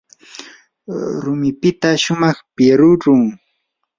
rumipita shumaq piruru.